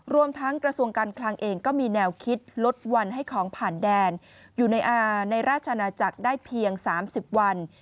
รวมทั้งกระทรวงการคลังเองก็มีแนวคิดลดวันให้ของผ่านแดนอยู่ในราชนาจักรได้เพียง๓๐วัน